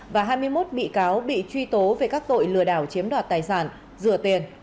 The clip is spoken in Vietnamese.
và hai mươi một bị cáo bị truy tố về các tội lừa đảo chiếm đoạt tài sản rửa tiền